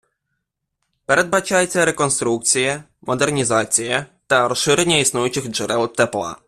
Передбачається реконструкція, модернізація та розширення існуючих джерел тепла.